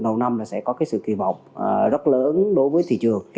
đầu năm là sẽ có sự kỳ vọng rất lớn đối với thị trường